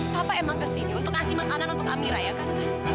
papa emang ke sini untuk kasih makanan untuk amira ya kan